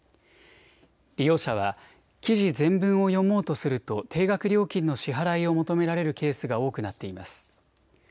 利用者は記事全文を読もうとすると定額料金の支払いを求められるケースが多くなっています。